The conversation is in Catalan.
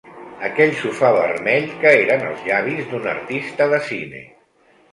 Aquell sofà vermell que eren els llavis d'una artista de cine.